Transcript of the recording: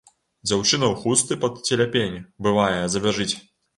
Дзяўчына ў хустцы пад целяпень, бывае, забяжыць.